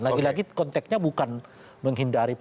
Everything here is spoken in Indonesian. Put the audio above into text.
lagi lagi konteknya bukan menghindari peradilan ya